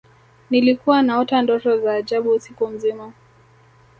nilikuwa naota ndoto za ajabu usiku mzima